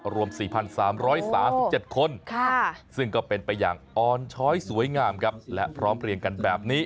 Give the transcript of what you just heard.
รวม๔๓๓๗คนซึ่งก็เป็นไปอย่างอ่อนช้อยสวยงามครับและพร้อมเรียงกันแบบนี้